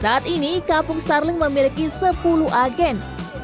saat ini kampung starling memiliki sepuluh agen